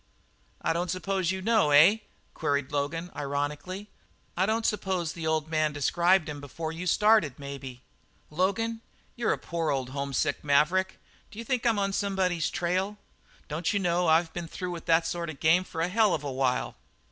"I don't suppose you know, eh?" queried Logan ironically. "I don't suppose the old man described him before you started, maybe?" "Logan, you poor old hornless maverick, d'you think I'm on somebody's trail? Don't you know I've been through with that sort of game for a hell of a while?"